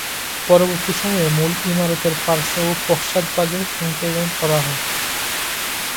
পরবর্তী সময়ে মূল ইমারতের পার্শ্ব ও পশ্চাদ্ভাগে সংযোজন করা হয়।